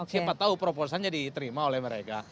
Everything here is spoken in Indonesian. siapa tahu proposalnya diterima oleh mereka